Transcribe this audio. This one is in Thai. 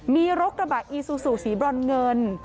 มีรถกระบะอีซูซูสีบรอนเงิน